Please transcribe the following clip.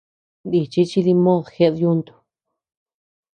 Nichi chi dimod jeʼed yuntu.